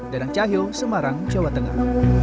danang cahyo semarang jawa tengah